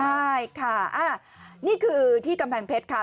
ใช่ค่ะนี่คือที่กำแพงเพชรค่ะ